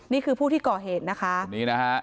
นี่คือผู้ที่ก่อเหตุนะคะนี่นะฮะ